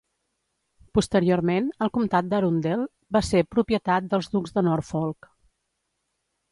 Posteriorment, el comtat d"Arundel va ser propietat dels Ducs de Norfolk.